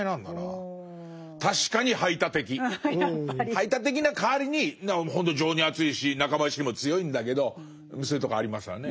排他的な代わりにほんと情にあついし仲間意識も強いんだけどそういうとこありますわね。